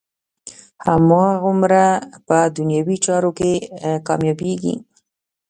هماغومره په دنیوي چارو کې کامیابېږي.